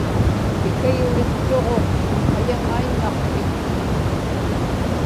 ikayuliktuġuŋ ayaŋaiñŋaqpit